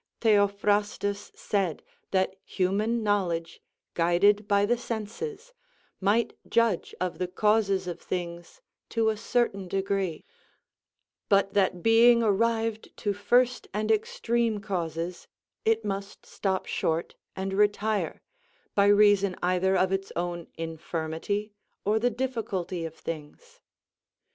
Theophrastus said that human knowledge, guided by the senses, might judge of the causes of things to a certain degree; but that being arrived to first and extreme causes, it must stop short and retire, by reason either of its own infirmity or the difficulty of things.